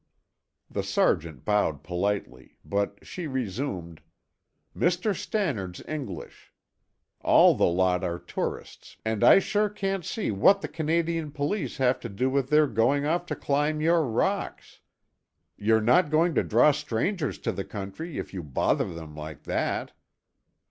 The sergeant bowed politely, but she resumed: "Mr. Stannard's English, all the lot are tourists and I sure can't see what the Canadian police have to do with their going off to climb your rocks. You're not going to draw strangers to the country if you bother them like that."